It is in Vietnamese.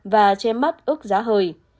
và che mắt ức giá hơi